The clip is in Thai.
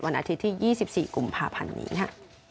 วันอาทิตย์ที่ยี่สิบสี่กลุ่มภาพันธ์นี้ค่ะ